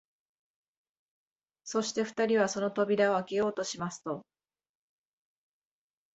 そして二人はその扉をあけようとしますと、